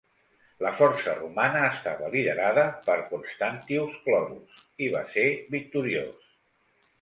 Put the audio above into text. La força romana estava liderada per Constantius Chlorus, i va ser victoriós.